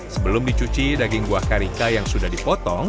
sebelum dicuci daging buah karika yang sudah dipotong